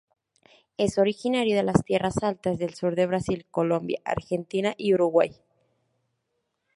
Es originario de las tierras altas del sur de Brasil, Colombia, Argentina y Uruguay.